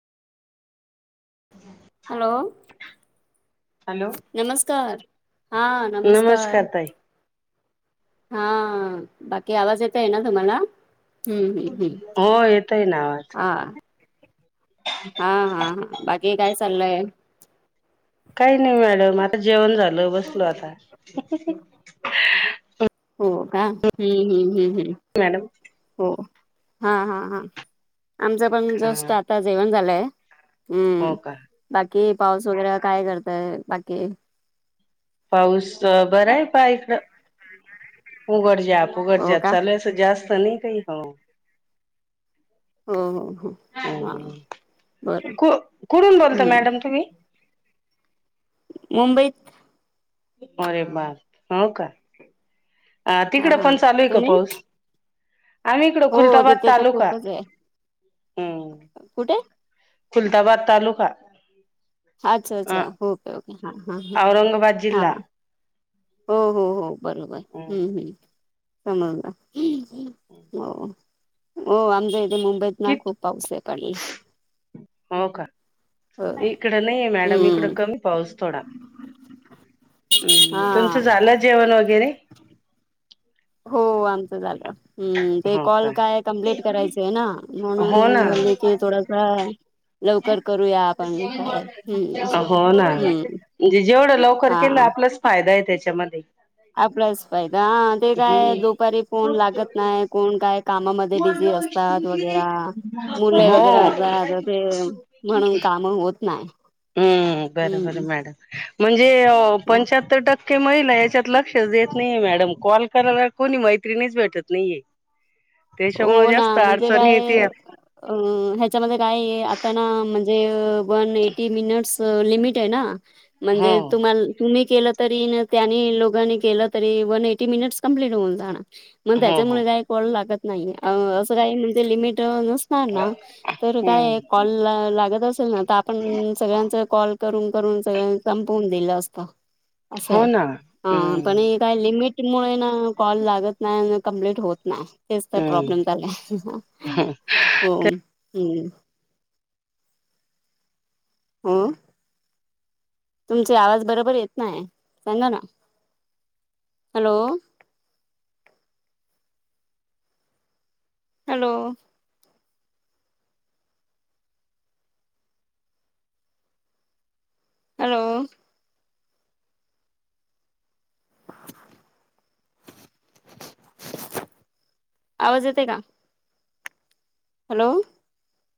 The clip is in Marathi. ह हॅलो नमस्कार हा नमस्कार हा बाकी आवाज येत आहे ना तुम्हाला हम्म-हम्म-हम्म हो येतोय ना आवाज आ हा -हा- हा बाकी काय चाललय काही नाही मॅडम आता जेवण झाल बसलोय आता हो का हम्म -हम्म -हम्म मॅडम हो हा- हा- हा आमचा पण हा जस्ट आता जेवण झालय हो हम्म का बाकी पाऊस वगैरे काय करतय बाकी पाऊस बर आहे पहा इकड उघडजाप हो -उघडजाप का चालूय जास्त नाही काही हो हो हो हो हा बरं हम्म कुठून बोलता हम्म मॅडम तुम्ही मुंबईत अरे बापरे हो का हा तिकडं हा पण चालू आहे का तुम्ही पाऊस आम्ही इकड हो खुलताबाद तिथे तर तालुका खूपच आहे हम्म कुठे खुलताबाद तालुका अ अच्छा-अच्छा ओके-ओके हा -हा -ह औरंगाबाद -हा जिल्हा -हो -हो- हो बरोबर हम्म -हम्म समजल हो हो आमच्या इथे मुंबईत कि ना खूप पाऊस आहे पडला हो का हो इकडं नाहीेय मॅडम इकडं हम्म कमी पाऊस थोडा हा तुमचं झालं जेवण वगैरे हो आमच झाल हम्म ते हो का कॉल काय कम्प्लीट करायच आहे ना म्हणून हो ना मी बोलली की थोडस हम्म असं हो ना हम्म म्हणजे जेवढं लवकर हा केल आपलच फायदा आहे त्याच्यामध्ये आपल्याच फायदा हा ते काय हम्म दुपारी फोन लागत नाही कोण काय कामा मध्ये बिझी असतात वगैरा मुल हो वगैरे असतात आ ते म्हणून काम होत नाही हम्म बर-बर हम्म मॅडम म्हणजे पंच्याहत्तर टक्के महिला याच्यात लक्ष -क्षच देत नाहीये मॅडम. कॉल करायला कोणी मैत्रिणीच भेटत नाहीये. त्याच्यामुळे हो ना. जास्त म्हणजे अडचणी काय येते अ ह्याच्यामध्ये काय ए आता ना म्हण- ते वन एटी मिनिटस लिमिट आहे ना? हो म्हणजे तुम्हाला- तुम्ही केलं तरी न त्यांनी लोकांनी केलं तरी, वन एटी मिनिट्स कमप्लीट होऊन जाणार. मग हो हो त्याच्यामुळे काही कॉल लागत नाही. अं असं काही म्हणजे, लिमिट न - स्ताना ना तर हम्म काय कॉल - लागत असेल ना? तर आपण सगळ्यांचा कॉल करून करून सगळ्यांच संपवून दिलं असत. हो असंय. ना हां. पण हम्म हे काय लिमिट- मुळे ना कॉल लागत नाय न कंप्लीट होत नाय. तेच तर प्रॉब्लेम हम्म झालाय. हो. हं. हो. तुमचे आवाज बरोबर येत नाय. सांगा ना. हॅलो. हॅलो. हॅलो. आवाज येते का? हॅलो.